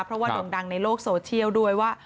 เพราะว่าโด่งดังในโลกโซเชียลด้วยว่า